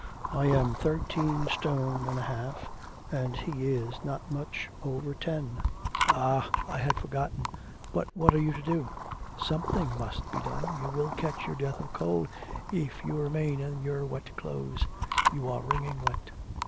I am thirteen stone and a half, and he is not much over ten.' 'Ah! I had forgotten; but what are you to do? Something must be done; you will catch your death of cold if you remain in your wet clothes.... You are wringing wet.'